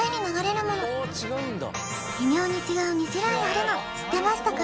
微妙に違う２種類あるの知ってましたか？